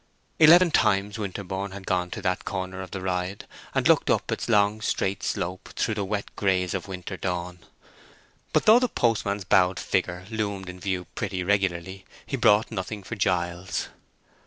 Eleven times had Winterborne gone to that corner of the ride, and looked up its long straight slope through the wet grays of winter dawn. But though the postman's bowed figure loomed in view pretty regularly, he brought nothing for Giles.